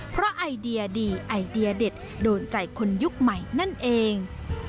เพราะไอเดียดีไอเดียเด็ดโดนใจคนยุคใหม่นั่นเอง